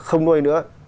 không nuôi nữa